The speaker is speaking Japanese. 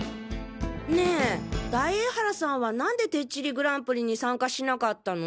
ねえ大江原さんは何でてっちりＧＰに参加しなかったの？